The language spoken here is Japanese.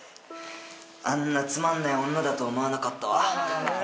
あんなつまんない女だと思わなかったわ。